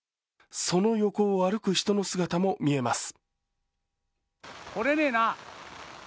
その横を歩く人の姿も見えます。